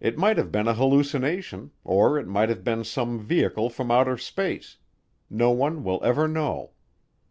It might have been a hallucination or it might have been some vehicle from outer space; no one will ever know.